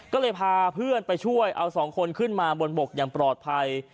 ก็เลยพาเพื่อนไปช่วยเอาสองคนขึ้นมาบนบกอย่างปลอดภัย